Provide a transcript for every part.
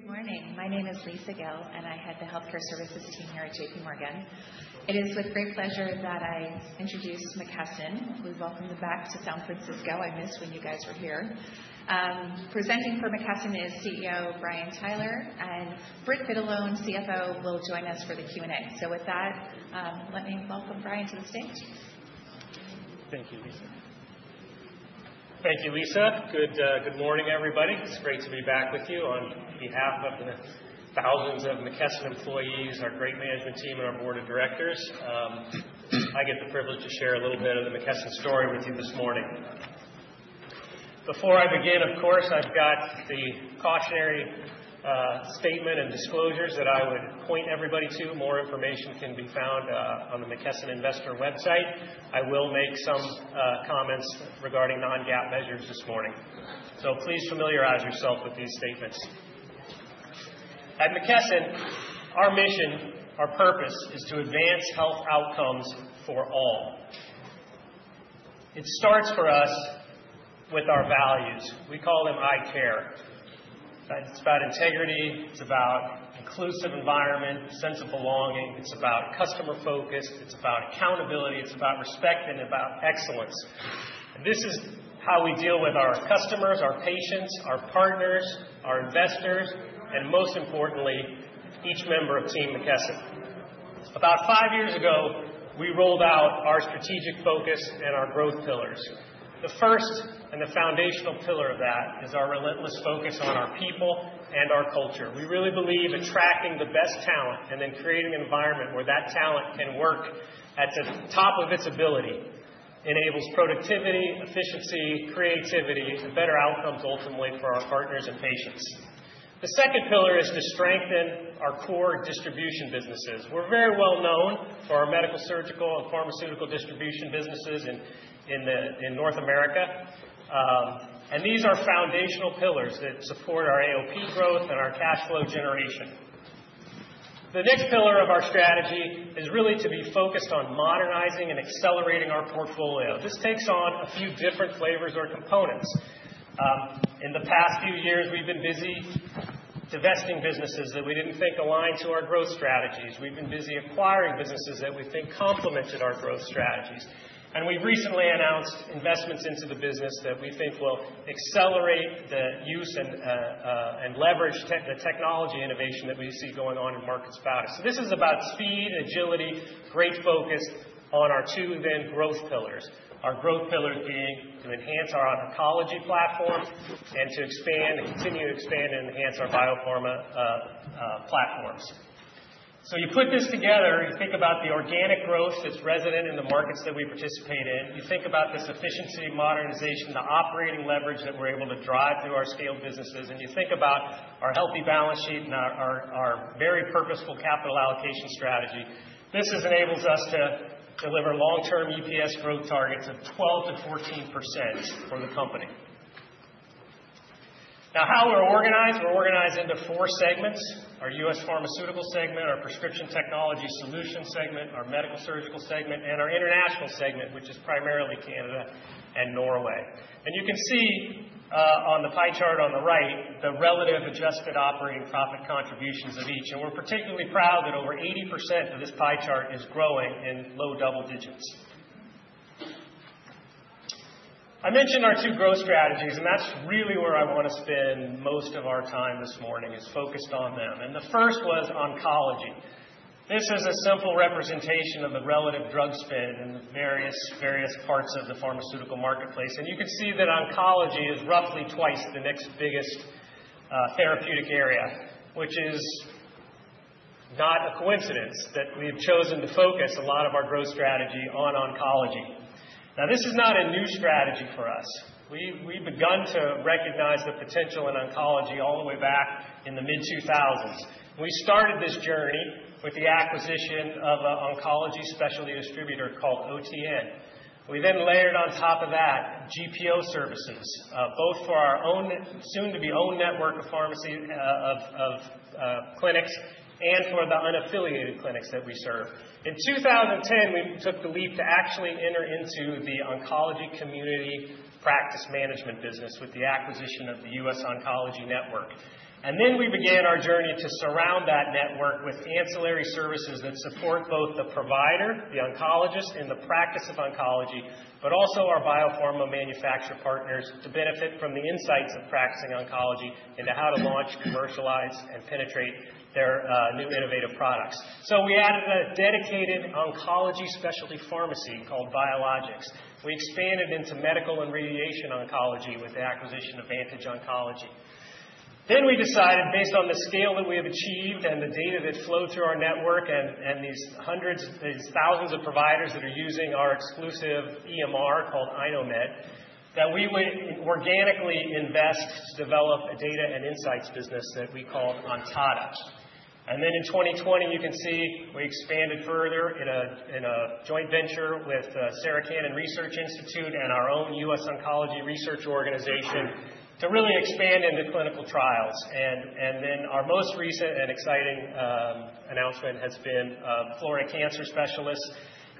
Good morning. My name is Lisa Gill, and I head the Healthcare Services team here at JPMorgan. It is with great pleasure that I introduce McKesson. We welcome them back to San Francisco. I missed when you guys were here. Presenting for McKesson is CEO Brian Tyler, and Britt Vitalone, CFO, will join us for the Q&A. So with that, let me welcome Brian to the stage. Thank you, Lisa. Thank you, Lisa. Good morning, everybody. It's great to be back with you on behalf of the thousands of McKesson employees, our great management team, and our Board of Directors. I get the privilege to share a little bit of the McKesson story with you this morning. Before I begin, of course, I've got the cautionary statement and disclosures that I would point everybody to. More information can be found on the McKesson Investor website. I will make some comments regarding non-GAAP measures this morning. So please familiarize yourself with these statements. At McKesson, our mission, our purpose, is to advance health outcomes for all. It starts for us with our values. We call them ICARE. It's about integrity. It's about an inclusive environment, a sense of belonging. It's about customer focus. It's about accountability. It's about respect and about excellence. This is how we deal with our customers, our patients, our partners, our investors, and most importantly, each member of Team McKesson. About five years ago, we rolled out our strategic focus and our growth pillars. The first and the foundational pillar of that is our relentless focus on our people and our culture. We really believe attracting the best talent and then creating an environment where that talent can work at the top of its ability enables productivity, efficiency, creativity, and better outcomes ultimately for our partners and patients. The second pillar is to strengthen our core distribution businesses. We're very well known for our medical, surgical, and pharmaceutical distribution businesses in North America. And these are foundational pillars that support our AOP growth and our cash flow generation. The next pillar of our strategy is really to be focused on modernizing and accelerating our portfolio. This takes on a few different flavors or components. In the past few years, we've been busy divesting businesses that we didn't think aligned to our growth strategies. We've been busy acquiring businesses that we think complemented our growth strategies. And we've recently announced investments into the business that we think will accelerate the use and leverage the technology innovation that we see going on in markets around us. So this is about speed, agility, great focus on our two main growth pillars, our growth pillars being to enhance our oncology platforms and to expand and continue to expand and enhance our biopharma platforms. So you put this together, you think about the organic growth that's resident in the markets that we participate in. You think about this efficiency, modernization, the operating leverage that we're able to drive through our scaled businesses. You think about our healthy balance sheet and our very purposeful capital allocation strategy. This enables us to deliver long-term EPS growth targets of 12%-14% for the company. Now, how we're organized? We're organized into four segments: our U.S. Pharmaceutical segment, our Prescription Technology Solutions segment, our Medical-Surgical segment, and our International segment, which is primarily Canada and Norway. You can see on the pie chart on the right the relative adjusted operating profit contributions of each. We're particularly proud that over 80% of this pie chart is growing in low double digits. I mentioned our two growth strategies, and that's really where I want to spend most of our time this morning is focused on them. The first was oncology. This is a simple representation of the relative drug spend in the various parts of the pharmaceutical marketplace. You can see that oncology is roughly twice the next biggest therapeutic area, which is not a coincidence that we have chosen to focus a lot of our growth strategy on oncology. Now, this is not a new strategy for us. We've begun to recognize the potential in oncology all the way back in the mid-2000s. We started this journey with the acquisition of an oncology specialty distributor called OTN. We then layered on top of that GPO services, both for our soon-to-be owned network of clinics and for the unaffiliated clinics that we serve. In 2010, we took the leap to actually enter into the oncology community practice management business with the acquisition of The US Oncology Network. And then we began our journey to surround that network with ancillary services that support both the provider, the oncologist in the practice of oncology, but also our biopharma manufacturer partners to benefit from the insights of practicing oncology into how to launch, commercialize, and penetrate their new innovative products. So we added a dedicated oncology specialty pharmacy called Biologics. We expanded into medical and radiation oncology with the acquisition of Vantage Oncology. Then we decided, based on the scale that we have achieved and the data that flowed through our network and these thousands of providers that are using our exclusive EMR called iKnowMed, that we would organically invest to develop a data and insights business that we called Ontada. And then in 2020, you can see we expanded further in a joint venture with Sarah Cannon Research Institute and our own US Oncology Research organization to really expand into clinical trials, and then our most recent and exciting announcement has been Florida Cancer Specialists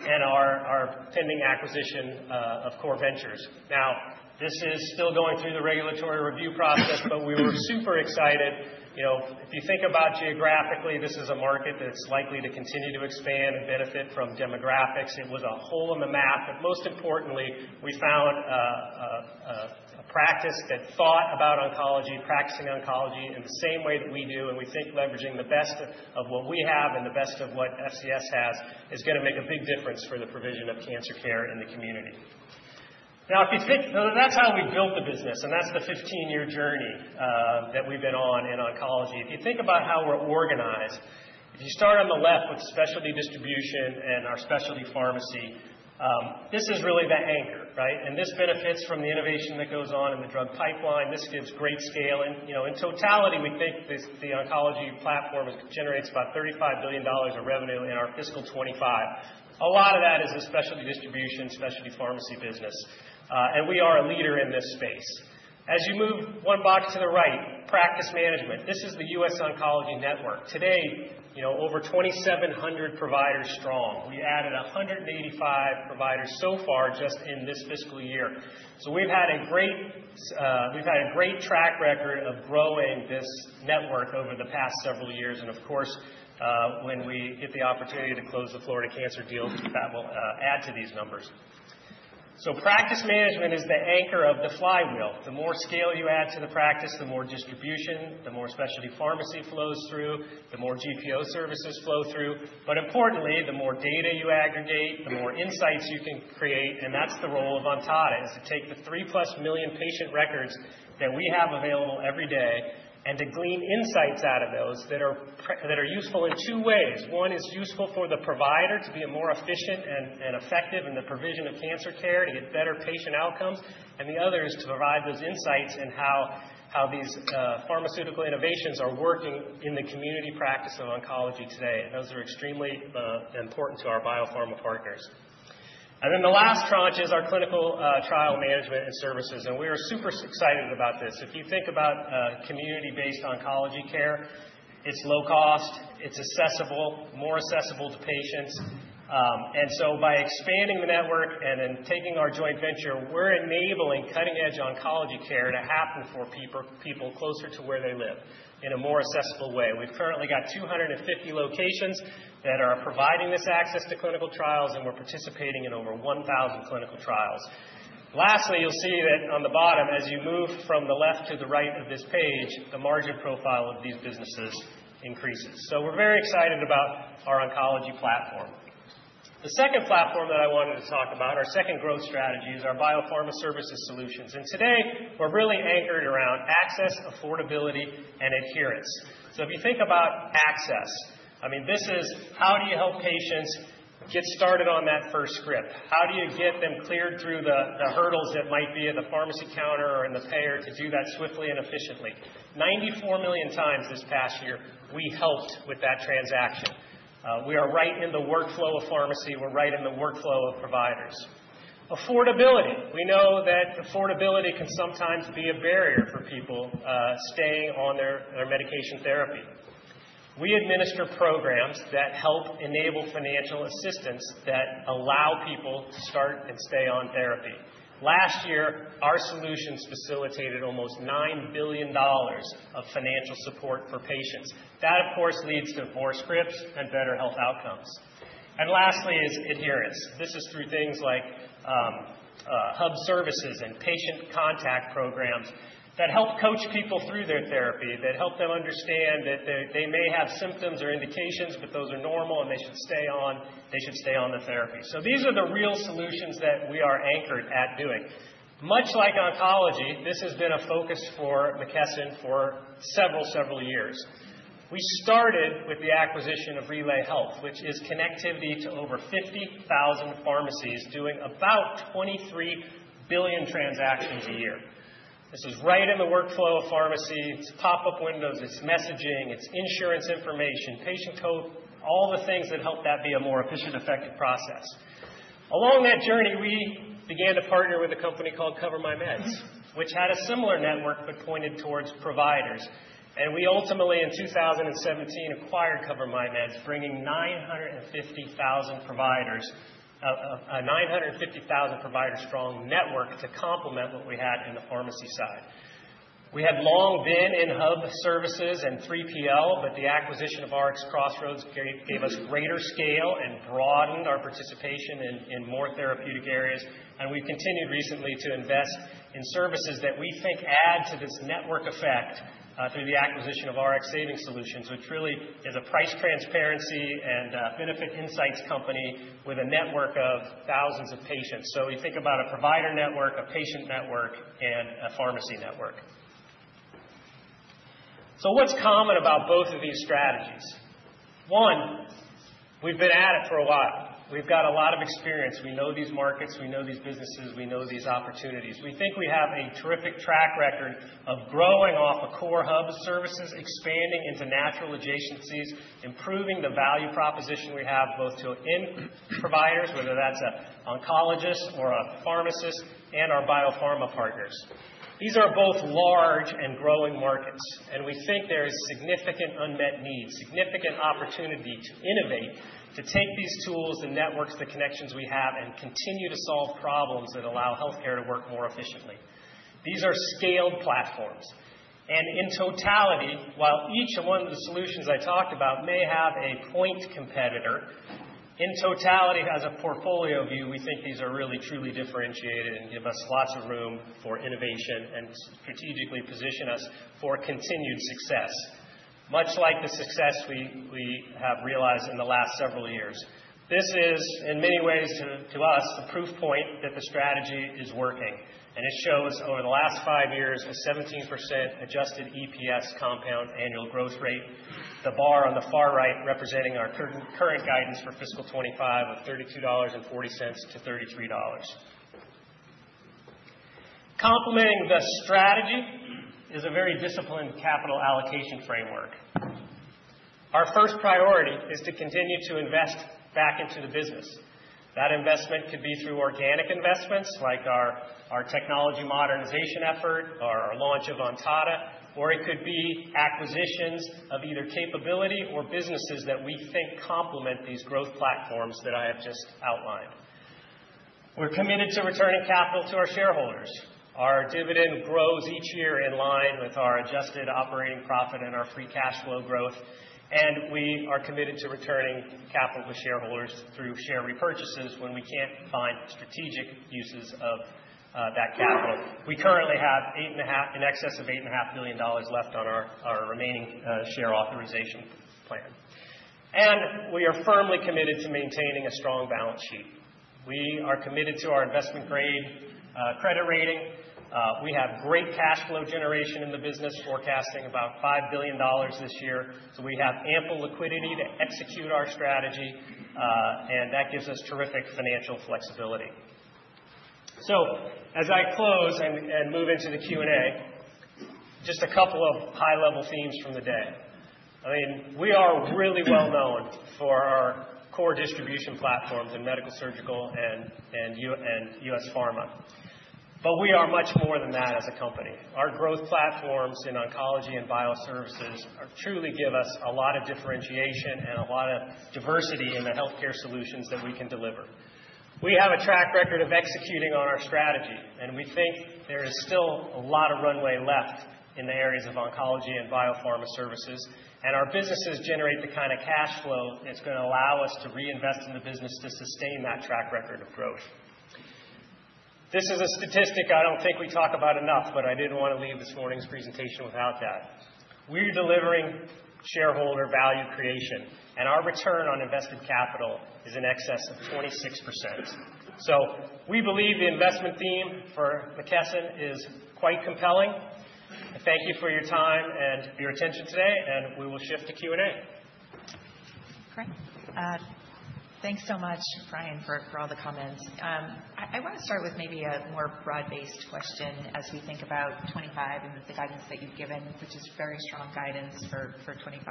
and our pending acquisition of Core Ventures. Now, this is still going through the regulatory review process, but we were super excited. If you think about geographically, this is a market that's likely to continue to expand and benefit from demographics. It was a hole in the map. But most importantly, we found a practice that thought about oncology, practicing oncology in the same way that we do, and we think leveraging the best of what we have and the best of what FCS has is going to make a big difference for the provision of cancer care in the community. Now, that's how we built the business, and that's the 15-year journey that we've been on in oncology. If you think about how we're organized, if you start on the left with specialty distribution and our specialty pharmacy, this is really the anchor. And this benefits from the innovation that goes on in the drug pipeline. This gives great scale. And in totality, we think the oncology platform generates about $35 billion of revenue in our fiscal 2025. A lot of that is the specialty distribution, specialty pharmacy business. And we are a leader in this space. As you move one box to the right, practice management. This is The US Oncology Network. Today, over 2,700 providers strong. We added 185 providers so far just in this fiscal year. So we've had a great track record of growing this network over the past several years. And of course, when we get the opportunity to close the Florida Cancer deal, that will add to these numbers. Practice management is the anchor of the flywheel. The more scale you add to the practice, the more distribution, the more specialty pharmacy flows through, the more GPO services flow through. Importantly, the more data you aggregate, the more insights you can create. That's the role of Ontada, is to take the 3+ million patient records that we have available every day and to glean insights out of those that are useful in two ways. One is useful for the provider to be more efficient and effective in the provision of cancer care, to get better patient outcomes. The other is to provide those insights in how these pharmaceutical innovations are working in the community practice of oncology today. Those are extremely important to our biopharma partners. The last tranche is our clinical trial management and services. We are super excited about this. If you think about community-based oncology care, it's low cost. It's accessible, more accessible to patients. By expanding the network and then taking our joint venture, we're enabling cutting-edge oncology care to happen for people closer to where they live in a more accessible way. We've currently got 250 locations that are providing this access to clinical trials, and we're participating in over 1,000 clinical trials. Lastly, you'll see that on the bottom, as you move from the left to the right of this page, the margin profile of these businesses increases. We're very excited about our oncology platform. The second platform that I wanted to talk about, our second growth strategy, is our biopharma services solutions. Today, we're really anchored around access, affordability, and adherence. So if you think about access, I mean, this is how do you help patients get started on that first script? How do you get them cleared through the hurdles that might be at the pharmacy counter or in the payer to do that swiftly and efficiently? 94 million times this past year, we helped with that transaction. We are right in the workflow of pharmacy. We're right in the workflow of providers. Affordability. We know that affordability can sometimes be a barrier for people staying on their medication therapy. We administer programs that help enable financial assistance that allow people to start and stay on therapy. Last year, our solutions facilitated almost $9 billion of financial support for patients. That, of course, leads to more scripts and better health outcomes. And lastly is adherence. This is through things like hub services and patient contact programs that help coach people through their therapy, that help them understand that they may have symptoms or indications, but those are normal and they should stay on the therapy. So these are the real solutions that we are anchored at doing. Much like oncology, this has been a focus for McKesson for several, several years. We started with the acquisition of RelayHealth, which is connectivity to over 50,000 pharmacies doing about 23 billion transactions a year. This is right in the workflow of pharmacy. It's pop-up windows. It's messaging. It's insurance information, patient code, all the things that help that be a more efficient, effective process. Along that journey, we began to partner with a company called CoverMyMeds, which had a similar network but pointed towards providers. We ultimately, in 2017, acquired CoverMyMeds, bringing 950,000 providers, a 950,000 provider-strong network to complement what we had in the pharmacy side. We had long been in hub services and 3PL, but the acquisition of RxCrossroads gave us greater scale and broadened our participation in more therapeutic areas. We've continued recently to invest in services that we think add to this network effect through the acquisition of Rx Savings Solutions, which really is a price transparency and benefit insights company with a network of thousands of patients. We think about a provider network, a patient network, and a pharmacy network. What's common about both of these strategies? One, we've been at it for a while. We've got a lot of experience. We know these markets. We know these businesses. We know these opportunities. We think we have a terrific track record of growing off a core hub of services, expanding into natural adjacencies, improving the value proposition we have both to end providers, whether that's an oncologist or a pharmacist, and our biopharma partners. These are both large and growing markets. And we think there is significant unmet needs, significant opportunity to innovate, to take these tools, the networks, the connections we have, and continue to solve problems that allow healthcare to work more efficiently. These are scaled platforms. And in totality, while each one of the solutions I talked about may have a point competitor, in totality, as a portfolio view, we think these are really, truly differentiated and give us lots of room for innovation and strategically position us for continued success, much like the success we have realized in the last several years. This is, in many ways to us, the proof point that the strategy is working. And it shows over the last five years, a 17% adjusted EPS compound annual growth rate, the bar on the far right representing our current guidance for fiscal 2025 of $32.40-$33. Complementing the strategy is a very disciplined capital allocation framework. Our first priority is to continue to invest back into the business. That investment could be through organic investments like our technology modernization effort, our launch of Ontada, or it could be acquisitions of either capability or businesses that we think complement these growth platforms that I have just outlined. We're committed to returning capital to our shareholders. Our dividend grows each year in line with our adjusted operating profit and our free cash flow growth. And we are committed to returning capital to shareholders through share repurchases when we can't find strategic uses of that capital. We currently have an excess of $8.5 billion left on our remaining share authorization plan. And we are firmly committed to maintaining a strong balance sheet. We are committed to our investment-grade credit rating. We have great cash flow generation in the business, forecasting about $5 billion this year. So we have ample liquidity to execute our strategy, and that gives us terrific financial flexibility. So as I close and move into the Q&A, just a couple of high-level themes from the day. I mean, we are really well-known for our core distribution platforms in medical, surgical, and U.S. Pharma. But we are much more than that as a company. Our growth platforms in oncology and bioservices truly give us a lot of differentiation and a lot of diversity in the healthcare solutions that we can deliver. We have a track record of executing on our strategy, and we think there is still a lot of runway left in the areas of oncology and biopharma services. And our businesses generate the kind of cash flow that's going to allow us to reinvest in the business to sustain that track record of growth. This is a statistic I don't think we talk about enough, but I didn't want to leave this morning's presentation without that. We're delivering shareholder value creation, and our return on invested capital is in excess of 26%. So we believe the investment theme for McKesson is quite compelling. Thank you for your time and your attention today, and we will shift to Q&A. Great. Thanks so much, Brian, for all the comments. I want to start with maybe a more broad-based question as we think about 2025 and the guidance that you've given, which is very strong guidance for 2025.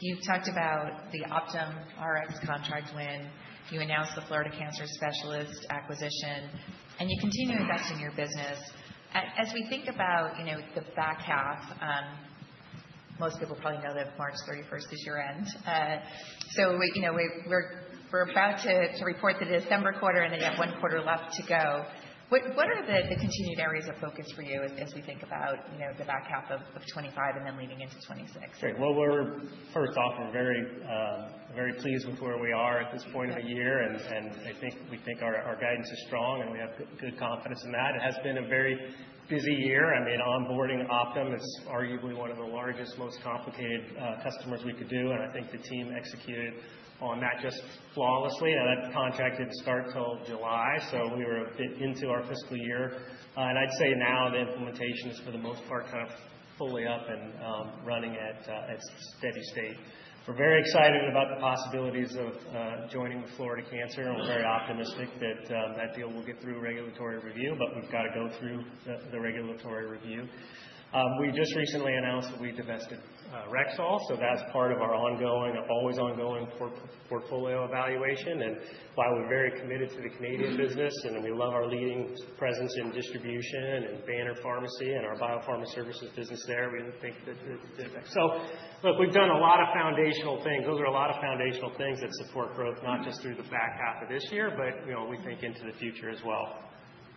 You've talked about the Optum Rx contract when you announced the Florida Cancer Specialists acquisition, and you continue investing in your business. As we think about the back half, most people probably know that March 31st is your end. So we're about to report the December quarter, and they have one quarter left to go. What are the continued areas of focus for you as we think about the back half of 2025 and then leading into 2026? Great. Well, first off, we're very pleased with where we are at this point of the year, and we think our guidance is strong, and we have good confidence in that. It has been a very busy year. I mean, onboarding Optum is arguably one of the largest, most complicated customers we could do, and I think the team executed on that just flawlessly. That contract didn't start till July, so we were a bit into our fiscal year. And I'd say now the implementation is, for the most part, kind of fully up and running at steady state. We're very excited about the possibilities of joining with Florida Cancer. We're very optimistic that that deal will get through regulatory review, but we've got to go through the regulatory review. We just recently announced that we divested Rexall, so that's part of our ongoing, always ongoing portfolio evaluation. While we're very committed to the Canadian business and we love our leading presence in distribution and banner pharmacy and our biopharma services business there, we think that. So look, we've done a lot of foundational things. Those are a lot of foundational things that support growth, not just through the back half of this year, but we think into the future as well.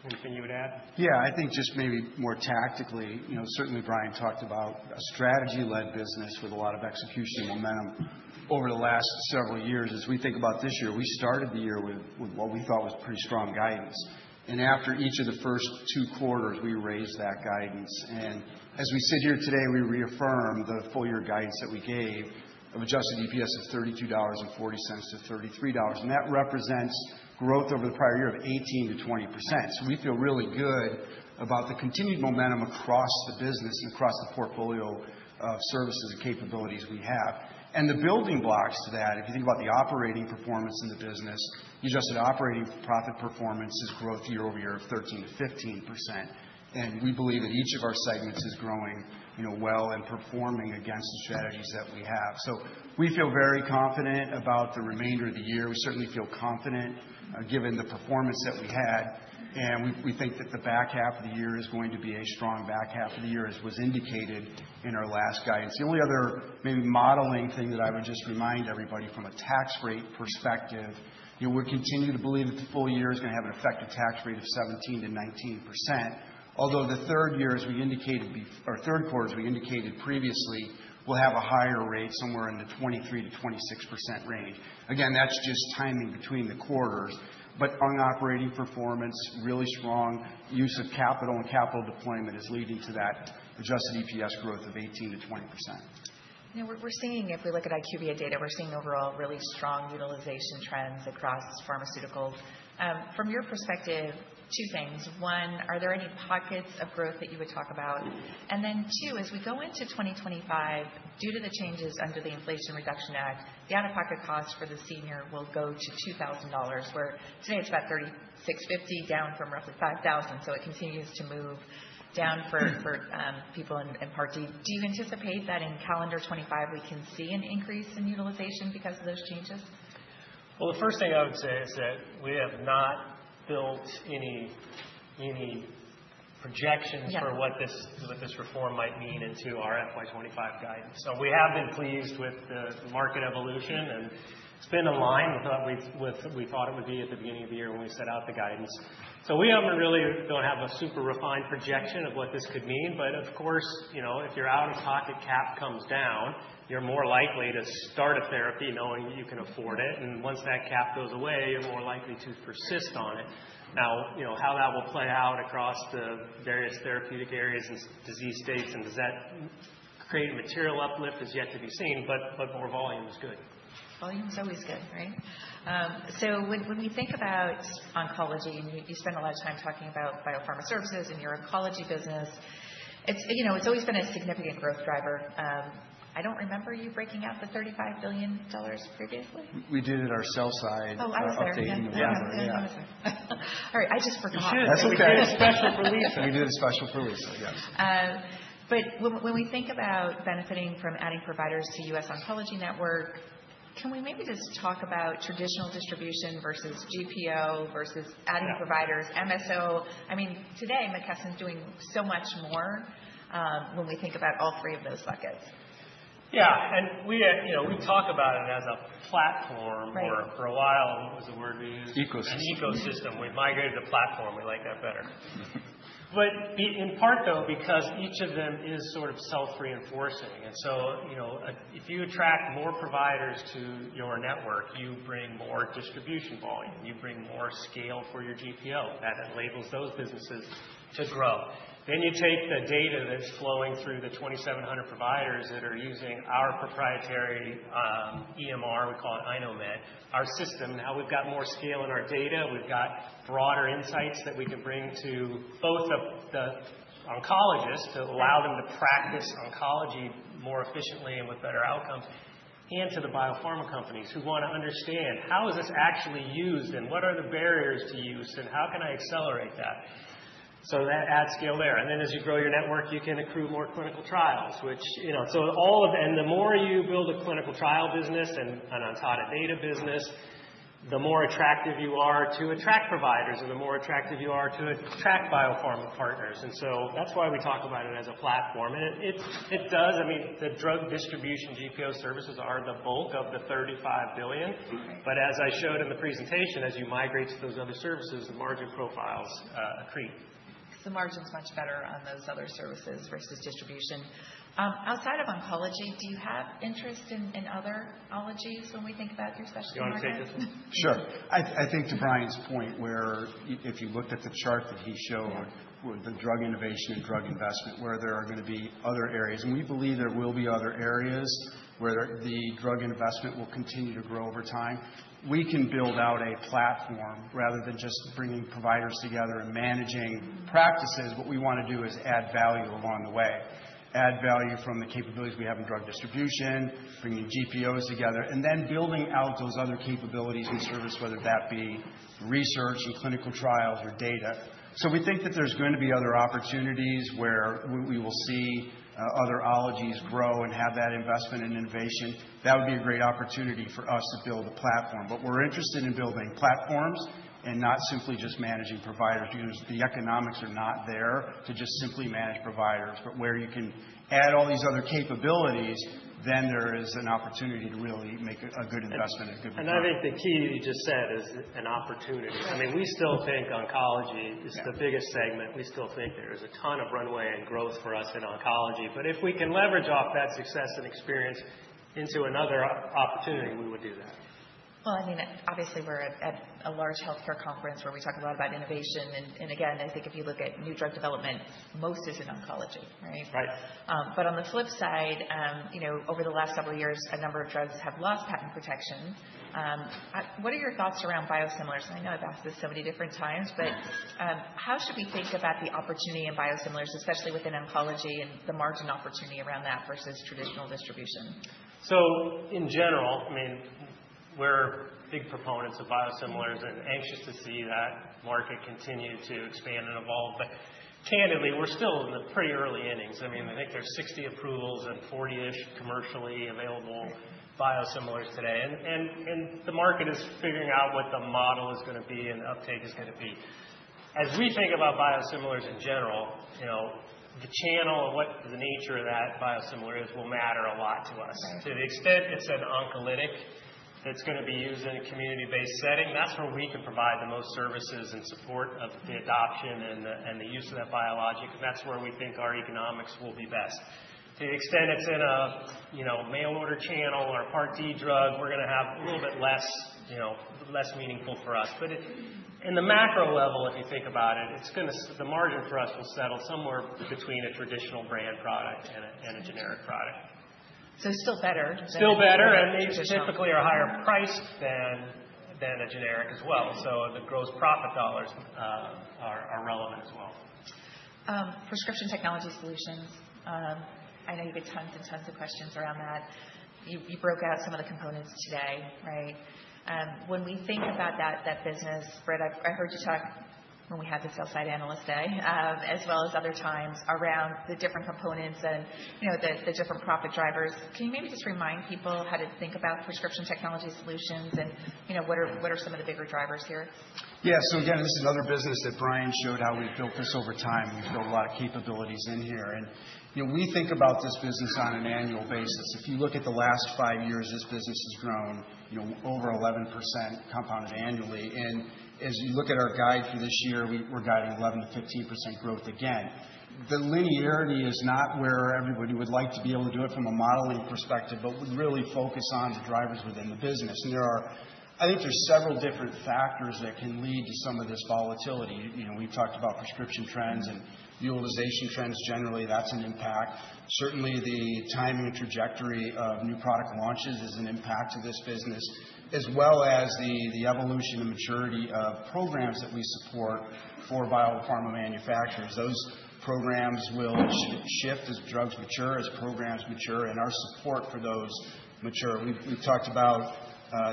Anything you would add? Yeah. I think just maybe more tactically, certainly Brian talked about a strategy-led business with a lot of execution momentum over the last several years. As we think about this year, we started the year with what we thought was pretty strong guidance. And after each of the first two quarters, we raised that guidance. And as we sit here today, we reaffirm the full-year guidance that we gave of adjusted EPS of $32.40-$33. And that represents growth over the prior year of 18%-20%. So we feel really good about the continued momentum across the business and across the portfolio of services and capabilities we have. And the building blocks to that, if you think about the operating performance in the business, the adjusted operating profit performance is growth year-over-year of 13%-15%. We believe that each of our segments is growing well and performing against the strategies that we have. So we feel very confident about the remainder of the year. We certainly feel confident given the performance that we had. And we think that the back half of the year is going to be a strong back half of the year, as was indicated in our last guidance. The only other maybe modeling thing that I would just remind everybody from a tax rate perspective, we continue to believe that the full year is going to have an effective tax rate of 17%-19%. Although the third year, as we indicated, or third quarter, as we indicated previously, we'll have a higher rate somewhere in the 23%-26% range. Again, that's just timing between the quarters. But on operating performance, really strong use of capital and capital deployment is leading to that adjusted EPS growth of 18%-20%. We're seeing, if we look at IQVIA data, we're seeing overall really strong utilization trends across pharmaceuticals. From your perspective, two things. One, are there any pockets of growth that you would talk about? And then two, as we go into 2025, due to the changes under the Inflation Reduction Act, the out-of-pocket cost for the senior will go to $2,000, where today it's about $3,650, down from roughly $5,000. So it continues to move down for people in part. Do you anticipate that in calendar 2025, we can see an increase in utilization because of those changes? The first thing I would say is that we have not built any projections for what this reform might mean into our FY 2025 guidance. So we have been pleased with the market evolution, and it's been in line with what we thought it would be at the beginning of the year when we set out the guidance. So we haven't really have a super refined projection of what this could mean. But of course, if your out-of-pocket cap comes down, you're more likely to start a therapy knowing that you can afford it. And once that cap goes away, you're more likely to persist on it. Now, how that will play out across the various therapeutic areas and disease states, and does that create a material uplift, is yet to be seen, but more volume is good. Volume is always good, right? So when we think about oncology, and you spend a lot of time talking about biopharma services and your oncology business, it's always been a significant growth driver. I don't remember you breaking out the $35 billion previously? We did it. Our sell-side are updating the web. Oh, I was there. Yeah. I was there. All right. I just forgot. You should. That's okay. We did it specially for Lisa. We did it specially for Lisa, yes. But when we think about benefiting from adding providers to US Oncology Network, can we maybe just talk about traditional distribution versus GPO versus adding providers, MSO? I mean, today, McKesson's doing so much more when we think about all three of those buckets. Yeah, and we talk about it as a platform for a while. What was the word we used? Ecosystem. An ecosystem. We've migrated to platform. We like that better. But in part, though, because each of them is sort of self-reinforcing, and so if you attract more providers to your network, you bring more distribution volume. You bring more scale for your GPO. That enables those businesses to grow, then you take the data that's flowing through the 2,700 providers that are using our proprietary EMR, we call it iKnowMed, our system. Now we've got more scale in our data. We've got broader insights that we can bring to both the oncologists to allow them to practice oncology more efficiently and with better outcomes and to the biopharma companies who want to understand how is this actually used and what are the barriers to use and how can I accelerate that, so that adds scale there. Then as you grow your network, you can accrue more clinical trials, which, and the more you build a clinical trial business and an Ontada data business, the more attractive you are to attract providers and the more attractive you are to attract biopharma partners. That's why we talk about it as a platform. It does. I mean, the drug distribution GPO services are the bulk of the $35 billion. As I showed in the presentation, as you migrate to those other services, the margin profiles accrete. So the margin's much better on those other services versus distribution. Outside of oncology, do you have interest in other ologies when we think about your specialty market? Can I take this one? Sure. I think to Brian's point, where if you looked at the chart that he showed, the drug innovation and drug investment, where there are going to be other areas, and we believe there will be other areas where the drug investment will continue to grow over time, we can build out a platform rather than just bringing providers together and managing practices. What we want to do is add value along the way. Add value from the capabilities we have in drug distribution, bringing GPOs together, and then building out those other capabilities and services, whether that be research and clinical trials or data. So we think that there's going to be other opportunities where we will see other ologies grow and have that investment and innovation. That would be a great opportunity for us to build a platform. But we're interested in building platforms and not simply just managing providers because the economics are not there to just simply manage providers. But where you can add all these other capabilities, then there is an opportunity to really make a good investment and a good production. And I think the key you just said is an opportunity. I mean, we still think oncology is the biggest segment. We still think there is a ton of runway and growth for us in oncology. But if we can leverage off that success and experience into another opportunity, we would do that. I mean, obviously, we're at a large healthcare conference where we talk a lot about innovation. Again, I think if you look at new drug development, most is in oncology, right? Right. But on the flip side, over the last several years, a number of drugs have lost patent protection. What are your thoughts around biosimilars? And I know I've asked this so many different times, but how should we think about the opportunity in biosimilars, especially within oncology and the margin opportunity around that versus traditional distribution? So in general, I mean, we're big proponents of biosimilars and anxious to see that market continue to expand and evolve. But candidly, we're still in the pretty early innings. I mean, I think there's 60 approvals and 40-ish commercially available biosimilars today. And the market is figuring out what the model is going to be and the uptake is going to be. As we think about biosimilars in general, the channel and what the nature of that biosimilar is will matter a lot to us. To the extent it's an oncologic that's going to be used in a community-based setting, that's where we can provide the most services and support of the adoption and the use of that biologic. And that's where we think our economics will be best. To the extent it's in a mail-order channel or a Part D drug, we're going to have a little bit less meaningful for us. But in the macro level, if you think about it, the margin for us will settle somewhere between a traditional brand product and a generic product. Still better than a generic. Still better and maybe typically are higher priced than a generic as well. So the gross profit dollars are relevant as well. Prescription Technology Solutions. I know you've had tons and tons of questions around that. You broke out some of the components today, right? When we think about that business, Britt, I heard you talk when we had the sell-side analyst day, as well as other times around the different components and the different profit drivers. Can you maybe just remind people how to think about Prescription Technology Solutions and what are some of the bigger drivers here? Yeah. So again, this is another business that Brian showed how we've built this over time. We've built a lot of capabilities in here. And we think about this business on an annual basis. If you look at the last five years, this business has grown over 11% compounded annually. And as you look at our guide for this year, we're guiding 11%-15% growth again. The linearity is not where everybody would like to be able to do it from a modeling perspective, but we really focus on the drivers within the business. And I think there's several different factors that can lead to some of this volatility. We've talked about prescription trends and utilization trends generally. That's an impact. Certainly, the timing and trajectory of new product launches is an impact to this business, as well as the evolution and maturity of programs that we support for biopharma manufacturers. Those programs will shift as drugs mature, as programs mature, and our support for those mature. We've talked about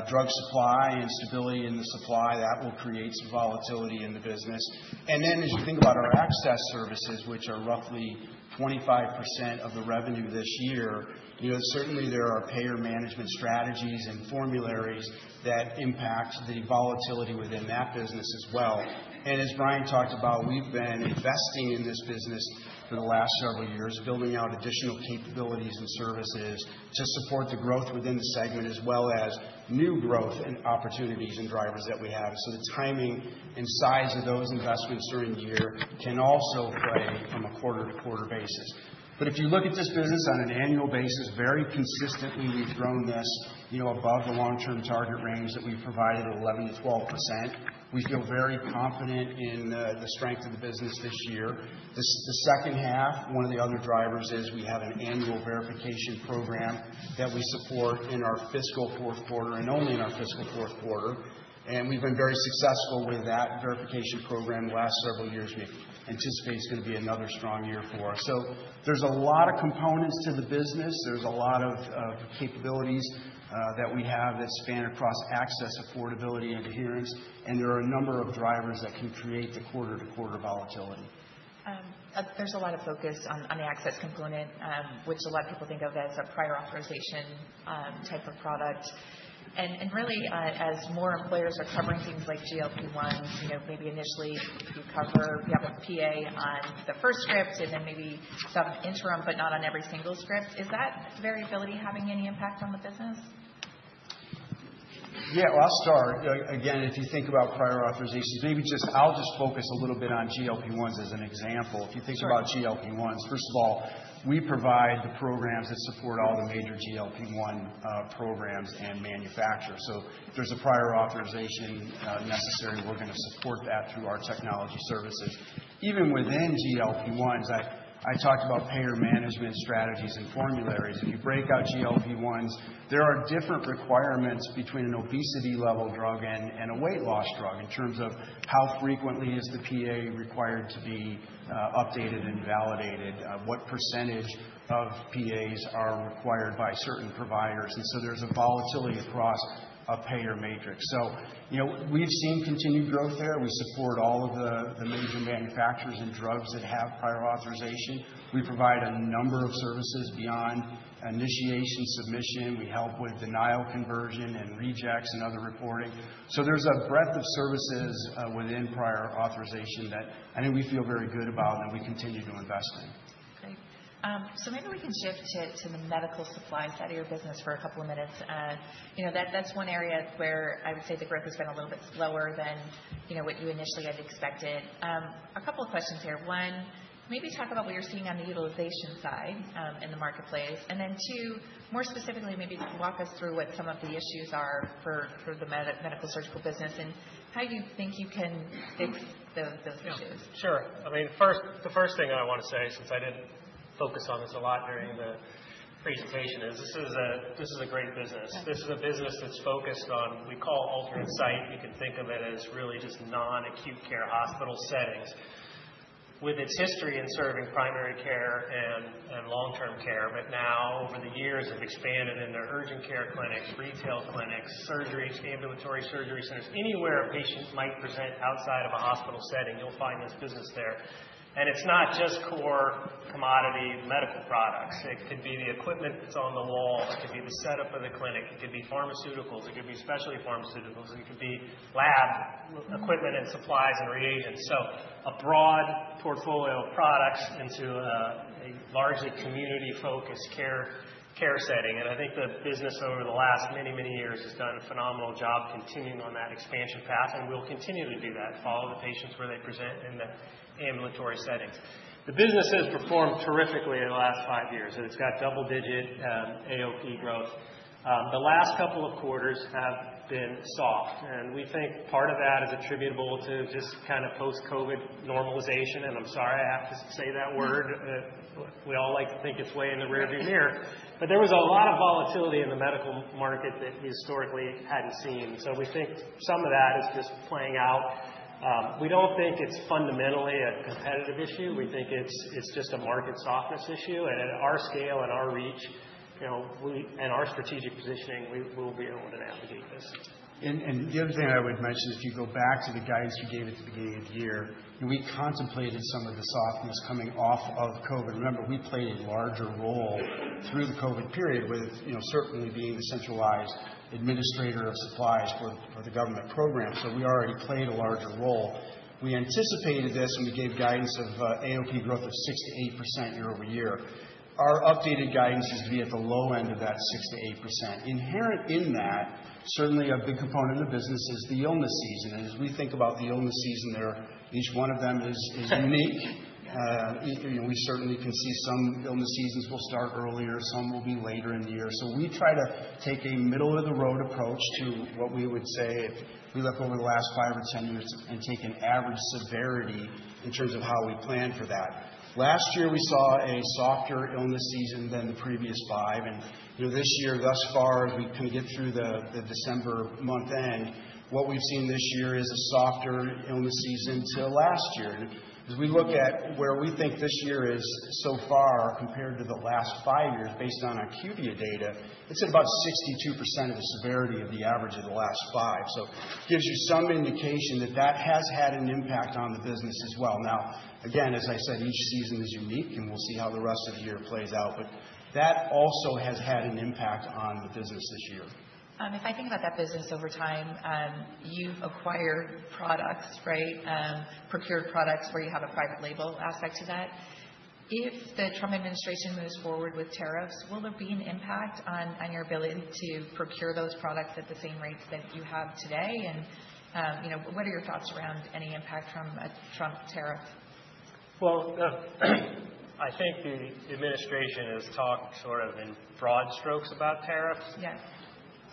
drug supply and stability in the supply. That will create some volatility in the business. And then as you think about our access services, which are roughly 25% of the revenue this year, certainly there are payer management strategies and formularies that impact the volatility within that business as well. And as Brian talked about, we've been investing in this business for the last several years, building out additional capabilities and services to support the growth within the segment, as well as new growth and opportunities and drivers that we have. So the timing and size of those investments during the year can also play from a quarter-to-quarter basis. But if you look at this business on an annual basis, very consistently, we've grown this above the long-term target range that we've provided at 11%-12%. We feel very confident in the strength of the business this year. The second half, one of the other drivers is we have an annual verification program that we support in our fiscal fourth quarter and only in our fiscal fourth quarter. And we've been very successful with that verification program the last several years. We anticipate it's going to be another strong year for us. So there's a lot of components to the business. There's a lot of capabilities that we have that span across access, affordability, and adherence. And there are a number of drivers that can create the quarter-to-quarter volatility. There's a lot of focus on the access component, which a lot of people think of as a prior authorization type of product. Really, as more employers are covering things like GLP-1s, maybe initially you cover, you have a PA on the first script and then maybe some interim, but not on every single script. Is that variability having any impact on the business? Yeah. Well, I'll start. Again, if you think about prior authorizations, maybe just I'll focus a little bit on GLP-1s as an example. If you think about GLP-1s, first of all, we provide the programs that support all the major GLP-1 programs and manufacturers. So if there's a prior authorization necessary, we're going to support that through our technology services. Even within GLP-1s, I talked about payer management strategies and formularies. If you break out GLP-1s, there are different requirements between an obesity-level drug and a weight loss drug in terms of how frequently is the PA required to be updated and validated, what percentage of PAs are required by certain providers. So there's a volatility across a payer matrix. We've seen continued growth there. We support all of the major manufacturers and drugs that have prior authorization. We provide a number of services beyond initiation, submission. We help with denial conversion and rejects and other reporting. So there's a breadth of services within prior authorization that I think we feel very good about and that we continue to invest in. Great. So maybe we can shift to the medical supply side of your business for a couple of minutes. That's one area where I would say the growth has been a little bit slower than what you initially had expected. A couple of questions here. One, maybe talk about what you're seeing on the utilization side in the marketplace. And then two, more specifically, maybe walk us through what some of the issues are for the Medical-Surgical business and how you think you can fix those issues? Sure. I mean, the first thing I want to say, since I didn't focus on this a lot during the presentation, is this is a great business. This is a business that's focused on what we call alternate site. You can think of it as really just non-acute care hospital settings with its history in serving primary care and long-term care. But now, over the years, they've expanded into urgent care clinics, retail clinics, surgeries, ambulatory surgery centers. Anywhere a patient might present outside of a hospital setting, you'll find this business there. And it's not just core commodity medical products. It could be the equipment that's on the wall. It could be the setup of the clinic. It could be pharmaceuticals. It could be specialty pharmaceuticals. It could be lab equipment and supplies and reagents. So a broad portfolio of products into a largely community-focused care setting. I think the business over the last many, many years has done a phenomenal job continuing on that expansion path and will continue to do that, follow the patients where they present in the ambulatory settings. The business has performed terrifically in the last five years. It's got double-digit AOP growth. The last couple of quarters have been soft. We think part of that is attributable to just kind of post-COVID normalization. I'm sorry I have to say that word. We all like to think it's way in the rearview mirror. There was a lot of volatility in the medical market that we historically hadn't seen. We think some of that is just playing out. We don't think it's fundamentally a competitive issue. We think it's just a market softness issue. At our scale and our reach and our strategic positioning, we will be able to navigate this. And the other thing I would mention, if you go back to the guidance we gave at the beginning of the year, we contemplated some of the softness coming off of COVID. Remember, we played a larger role through the COVID period with certainly being the centralized administrator of supplies for the government program. So we already played a larger role. We anticipated this and we gave guidance of AOP growth of 6%-8% year-over-year. Our updated guidance is to be at the low end of that 6%-8%. Inherent in that, certainly a big component of the business is the illness season. And as we think about the illness season there, each one of them is unique. We certainly can see some illness seasons will start earlier. Some will be later in the year. So we try to take a middle-of-the-road approach to what we would say if we look over the last five or 10 years and take an average severity in terms of how we plan for that. Last year, we saw a softer illness season than the previous five. And this year, thus far, as we kind of get through the December month end, what we've seen this year is a softer illness season to last year. And as we look at where we think this year is so far compared to the last five years based on acuity of data, it's at about 62% of the severity of the average of the last five. So it gives you some indication that that has had an impact on the business as well. Now, again, as I said, each season is unique and we'll see how the rest of the year plays out. But that also has had an impact on the business this year. If I think about that business over time, you've acquired products, right? Procured products where you have a private label aspect to that? If the Trump administration moves forward with tariffs, will there be an impact on your ability to procure those products at the same rates that you have today? And what are your thoughts around any impact from a Trump tariff? I think the administration has talked sort of in broad strokes about tariffs. Yeah.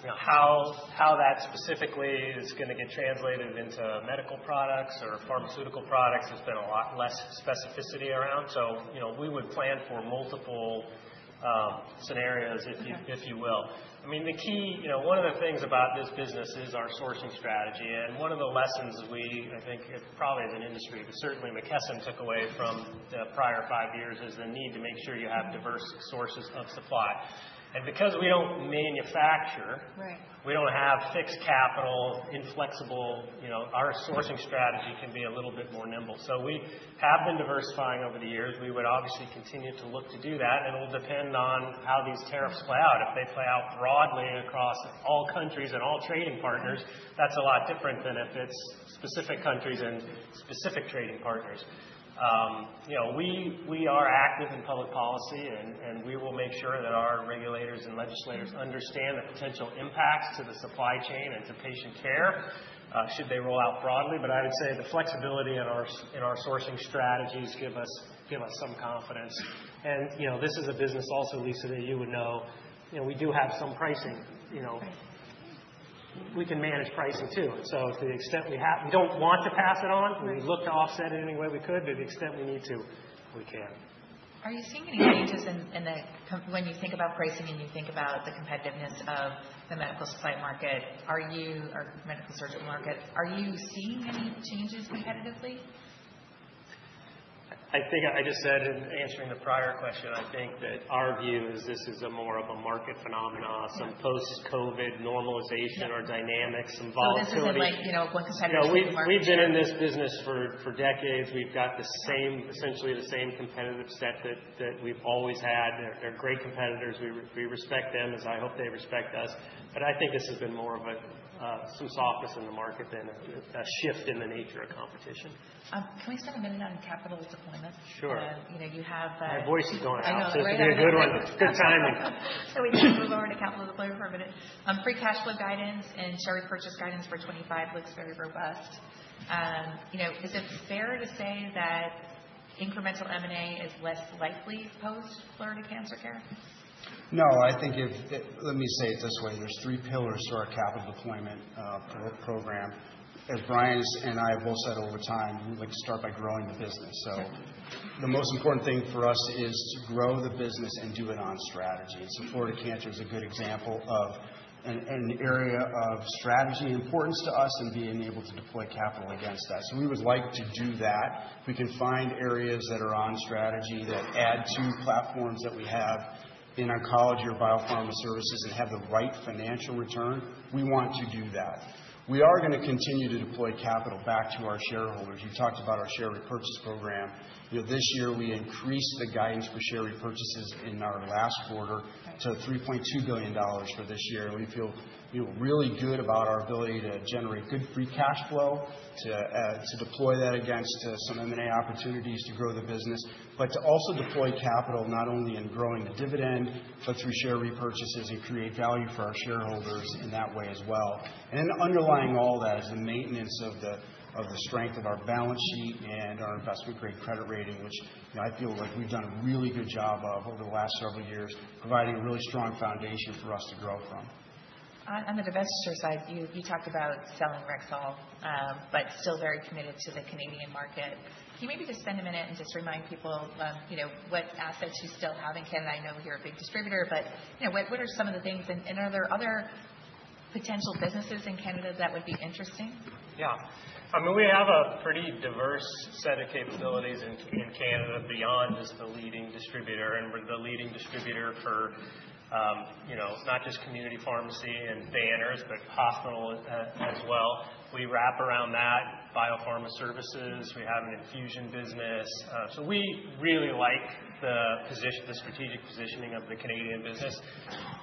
How that specifically is going to get translated into medical products or pharmaceutical products has been a lot less specificity around. So we would plan for multiple scenarios, if you will. I mean, the key, one of the things about this business is our sourcing strategy. And one of the lessons we, I think, probably as an industry, but certainly McKesson took away from the prior five years is the need to make sure you have diverse sources of supply. And because we don't manufacture, we don't have fixed capital, inflexible, our sourcing strategy can be a little bit more nimble. So we have been diversifying over the years. We would obviously continue to look to do that. And it will depend on how these tariffs play out. If they play out broadly across all countries and all trading partners, that's a lot different than if it's specific countries and specific trading partners. We are active in public policy and we will make sure that our regulators and legislators understand the potential impacts to the supply chain and to patient care should they roll out broadly. But I would say the flexibility in our sourcing strategies give us some confidence. And this is a business also, Lisa, that you would know. We do have some pricing. We can manage pricing too. And so to the extent we don't want to pass it on, we look to offset it any way we could. But to the extent we need to, we can. Are you seeing any changes when you think about pricing and you think about the competitiveness of the medical supply market, or medical-surgical market? Are you seeing any changes competitively? I think I just said in answering the prior question, I think that our view is this is more of a market phenomenon, some post-COVID normalization or dynamics, some volatility. So this isn't like one competitor's market? We've been in this business for decades. We've got essentially the same competitive set that we've always had. They're great competitors. We respect them as I hope they respect us. But I think this has been more of some softness in the market than a shift in the nature of competition. Can we spend a minute on capital deployment? Sure. You have. My voice is going off. I know. So it's going to be a good one. It's good timing. We can move over to capital deployment for a minute. Free cash flow guidance and share repurchase guidance for 2025 looks very robust. Is it fair to say that incremental M&A is less likely post-Florida Cancer Specialists? No. I think, let me say it this way. There are three pillars to our capital deployment program. As Brian and I have both said over time, we like to start by growing the business. So the most important thing for us is to grow the business and do it on strategy, and so Florida Cancer is a good example of an area of strategy and importance to us and being able to deploy capital against that. So we would like to do that. If we can find areas that are on strategy that add to platforms that we have in oncology or biopharma services and have the right financial return, we want to do that. We are going to continue to deploy capital back to our shareholders. You talked about our share repurchase program. This year, we increased the guidance for share repurchases in our last quarter to $3.2 billion for this year. And we feel really good about our ability to generate good free cash flow, to deploy that against some M&A opportunities to grow the business, but to also deploy capital not only in growing the dividend, but through share repurchases and create value for our shareholders in that way as well. And underlying all that is the maintenance of the strength of our balance sheet and our investment-grade credit rating, which I feel like we've done a really good job of over the last several years, providing a really strong foundation for us to grow from. On the divestiture side, you talked about selling Rexall, but still very committed to the Canadian market. Can you maybe just spend a minute and just remind people what assets you still have in Canada? I know you're a big distributor, but what are some of the things? And are there other potential businesses in Canada that would be interesting? Yeah. I mean, we have a pretty diverse set of capabilities in Canada beyond just the leading distributor, and we're the leading distributor for not just community pharmacy and banners, but hospital as well. We wrap around that, biopharma services. We have an infusion business, so we really like the strategic positioning of the Canadian business.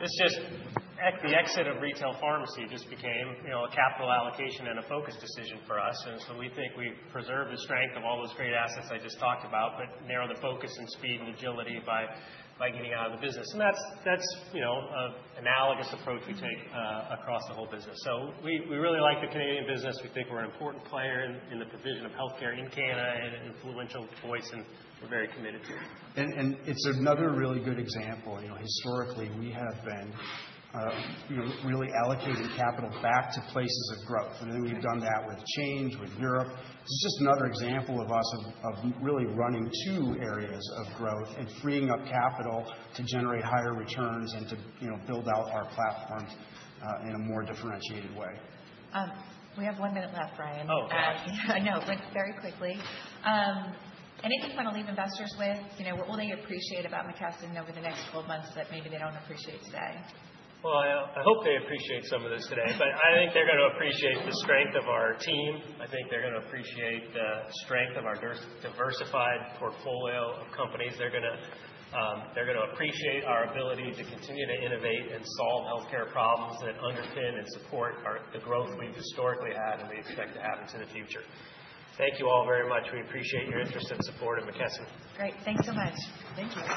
The exit of retail pharmacy just became a capital allocation and a focus decision for us, and so we think we preserve the strength of all those great assets I just talked about, but narrow the focus and speed and agility by getting out of the business, and that's an analogous approach we take across the whole business, so we really like the Canadian business. We think we're an important player in the position of healthcare in Canada and an influential voice, and we're very committed to it. It's another really good example. Historically, we have been really allocating capital back to places of growth. Then we've done that with change, with Europe. This is just another example of us really running two areas of growth and freeing up capital to generate higher returns and to build out our platforms in a more differentiated way. We have one minute left, Brian. Oh, gosh. No, but very quickly. Anything you want to leave investors with? What will they appreciate about McKesson over the next 12 months that maybe they don't appreciate today? I hope they appreciate some of this today. But I think they're going to appreciate the strength of our team. I think they're going to appreciate the strength of our diversified portfolio of companies. They're going to appreciate our ability to continue to innovate and solve healthcare problems that underpin and support the growth we've historically had and we expect to have into the future. Thank you all very much. We appreciate your interest and support in McKesson. Great. Thanks so much. Thank you.